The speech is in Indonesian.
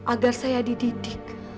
agar saya dididik